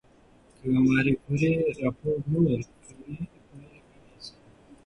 که ماري کوري راپور نه ورکړي، پایله به ناسم وي.